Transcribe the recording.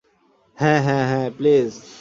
হ্যাঁ, হ্যাঁ, হ্যাঁ, প্লীজ।